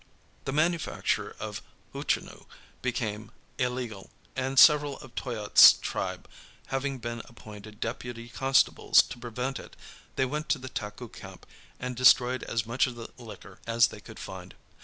The manufacture of hootchenoo being illegal, and several of Toyatte's tribe having been appointed deputy constables to prevent it, they went to the Taku camp and destroyed as much of the liquor as they could find.